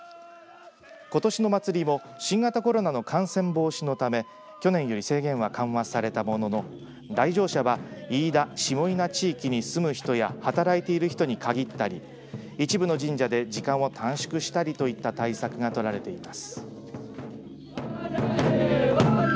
ことしの祭りも新型コロナの感染防止のため去年より制限は緩和されたものの来場者は飯田下伊那地域に住む人や働いている人に限ったり一部の神社で時間を短縮したりといった対策が取られています。